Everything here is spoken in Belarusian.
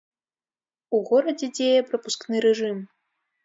У горадзе дзее прапускны рэжым.